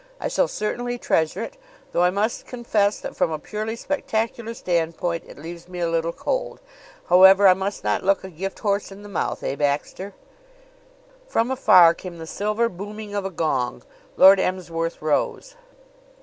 I shall certainly treasure it, though I must confess that from a purely spectacular standpoint it leaves me a little cold. However, I must not look a gift horse in the mouth eh, Baxter?" From afar came the silver booming of a gong. Lord Emsworth rose.